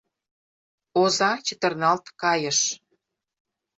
Оза чытырналт кайыш.